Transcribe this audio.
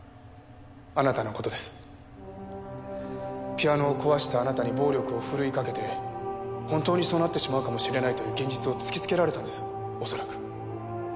ピアノを壊したあなたに暴力を振るいかけて本当にそうなってしまうかもしれないという現実を突きつけられたんです恐らく。